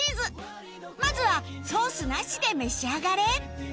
まずはソースなしで召し上がれ